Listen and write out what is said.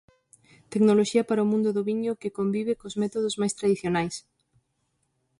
Tecnoloxía para o mundo do viño que convive cos métodos máis tradicionais.